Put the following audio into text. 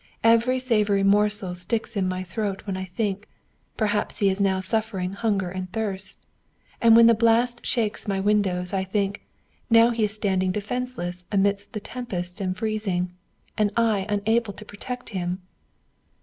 Every savoury morsel sticks in my throat when I think perhaps he is now suffering hunger and thirst; and when the blast shakes my windows, I think now he is standing defenceless amidst the tempest and freezing. And I unable to protect him!